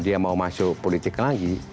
dia harus berpikir untuk politik lagi